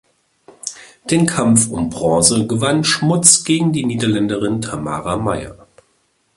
Den Kampf um Bronze gewann Schmutz gegen die Niederländerin Tamara Meijer.